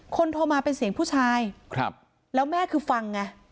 โทรมาเป็นเสียงผู้ชายครับแล้วแม่คือฟังไง